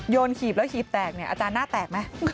หีบแล้วหีบแตกเนี่ยอาจารย์หน้าแตกไหม